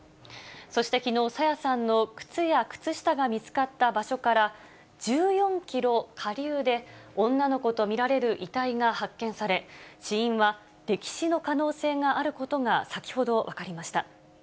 そしてきのう、朝芽さんの靴や靴下が見つかった場所から１４キロ下流で、女の子と見られる遺体が発見され、死因は溺死の可能性があることが、先ほど分かりました。